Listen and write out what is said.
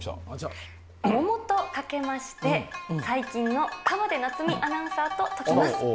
桃とかけまして、最近の河出奈都美アナウンサーとときます。